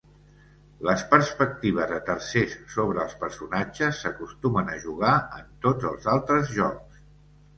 Les perspectives de tercers sobre els personatges s'acostumen a jugar en tots els altres jocs.